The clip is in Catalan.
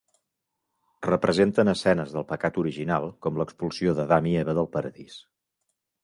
Representen escenes del pecat original com l'expulsió d'Adam i Eva del paradís.